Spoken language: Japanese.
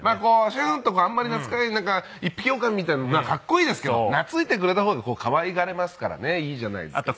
シューンとあんまり懐かない一匹オオカミみたいなのもかっこいいですけど懐いてくれた方が可愛がれますからねいいじゃないですか。